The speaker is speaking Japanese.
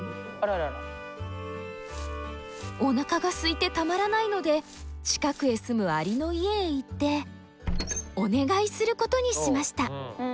おなかがすいてたまらないので近くへ住むアリの家へ行ってお願いすることにしました。